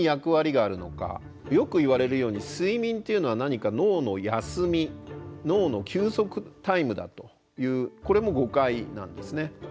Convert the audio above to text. よくいわれるように睡眠っていうのは何か脳の休み脳の休息タイムだというこれも誤解なんですね。